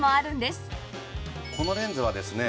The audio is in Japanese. このレンズはですね